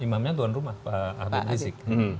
imamnya tuan rumah pak habib rizik